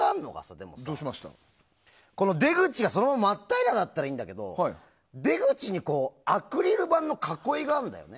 でもさ、出口がそのまま真っ平らだったらいいんだけど出口にアクリル板の囲いがあるんだよね。